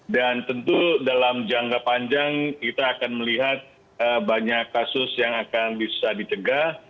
dan tentu dalam jangka panjang kita akan melihat banyak kasus yang akan bisa ditegak